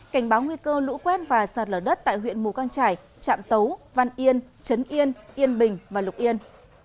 cảnh báo nguy cơ lũ quét và sạt lở đất tại huyện mù căng trải trạm tấu văn yên trấn yên yên bình và lục yên